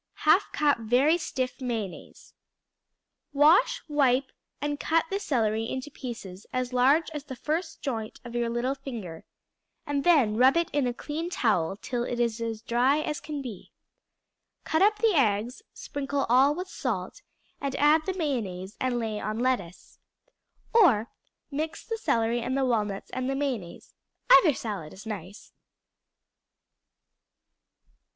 1/2 cup very stiff mayonnaise. Wash, wipe, and cut the celery into pieces as large as the first joint of your little finger, and then rub it in a clean towel till it is as dry as can be. Cut up the eggs, sprinkle all with salt, and add the mayonnaise and lay on lettuce. Or mix the celery and the walnuts and mayonnaise; either salad is nice.